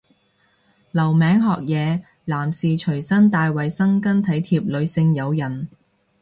留名學嘢，男士隨身帶衛生巾體貼女性友人